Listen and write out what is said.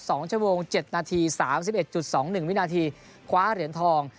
สองชั่วโมงเจ็ดนาทีสามสิบเอ็ดจุดสองหนึ่งวินาทีคว้าเหรียญทอง